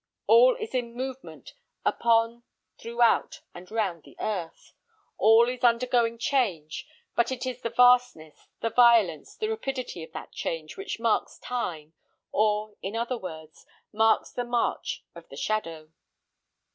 All is in movement, upon, throughout, and round the earth. All is undergoing change, but it is the vastness, the violence, the rapidity of that change, which marks time, or, in other words, marks the march of the shadow.